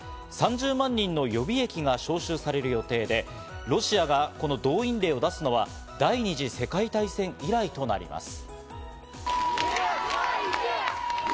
３０万人の予備役が招集される予定で、ロシアがこの動員令を出すのは第二次世界大戦以来となります。